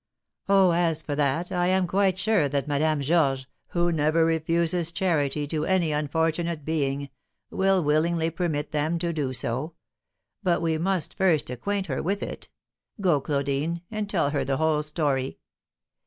"Oh, as for that, I am quite sure that Madame Georges, who never refuses charity to any unfortunate being, will willingly permit them to do so; but we must first acquaint her with it; go, Claudine, and tell her the whole story."